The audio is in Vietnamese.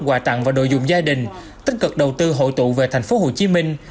quà tặng và đồ dùng gia đình tích cực đầu tư hội tụ về thành phố hồ chí minh